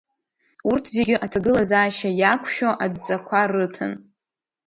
Урҭ зегьы аҭагылазаашьа иақә-шәо адҵақәа рыҭан.